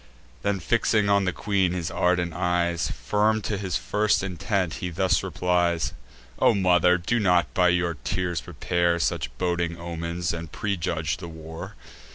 Then fixing on the queen his ardent eyes, Firm to his first intent, he thus replies: "O mother, do not by your tears prepare Such boding omens, and prejudge the war.